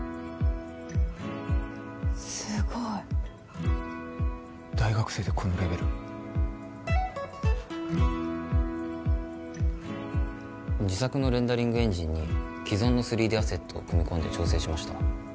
すごい大学生でこのレベル自作のレンダリングエンジンに既存の３Ｄアセットを組み込んで調整しました